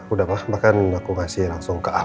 udah mah bahkan aku kasih langsung ke al